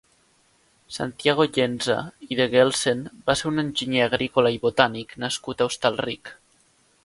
Santiago Llensa i de Gelcen va ser un enginyer agrícola i botànic nascut a Hostalric.